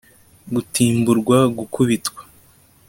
gutimburwa gukubitwa